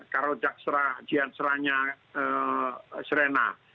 karo jaksera jianseranya srena